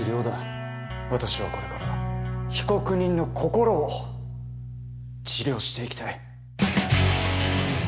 私はこれから被告人の心を治療していきたい。